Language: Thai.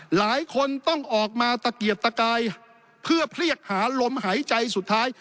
หลายคนต้องออกมาตะเกียดตะกายเพื่อเรียกหาลมหายใจสุดท้าย